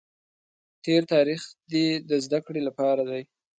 تېر تاریخ دې د زده کړې لپاره دی.